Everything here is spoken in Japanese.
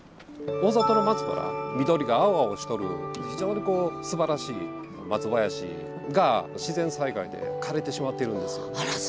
大里の松原緑が青々しとる非常にすばらしい松林が自然災害で枯れてしまっているんですよ。